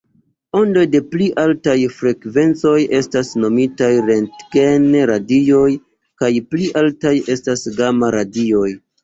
Ondoj de pli altaj frekvencoj estas nomitaj rentgen-radioj kaj pli altaj estas gama-radioj.